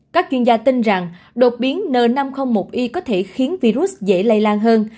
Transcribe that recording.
các chuyên gia tin rằng đột biến n năm trăm linh một i có thể khiến virus dễ lây lan hơn